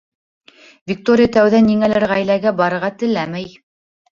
Виктория тәүҙә ниңәлер ғаиләгә барырға теләмәй.